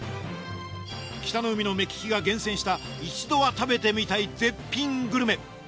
北の海の目利きが厳選した一度は食べてみたい絶品グルメ。